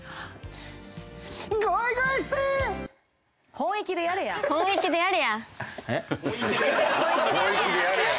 本意気でやれや！